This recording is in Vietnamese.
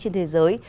trên thế giới